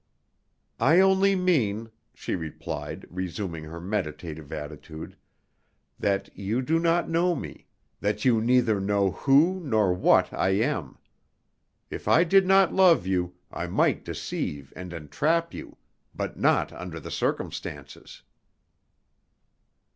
"I only mean," she replied, resuming her meditative attitude, "that you do not know me; that you neither know who nor what I am. If I did not love you, I might deceive and entrap you, but not under the circumstances."